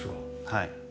はい。